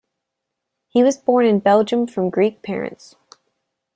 He was born in Belgium from Greek parents.